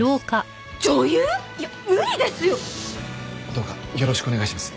どうかよろしくお願いします。